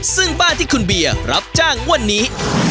ซึ่งบ้านที่คุณเบียร์รับจ้างวันนี้